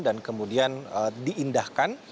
dan kemudian diindahkan